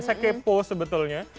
saya kepo sebetulnya